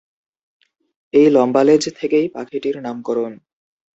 এই লম্বা লেজ থেকেই পাখিটির নামকরণ।